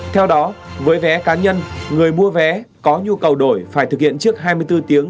theo đó với vé cá nhân người mua vé có nhu cầu đổi phải thực hiện trước hai mươi bốn tiếng